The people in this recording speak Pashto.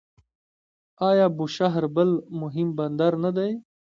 آیا بوشهر بل مهم بندر نه دی؟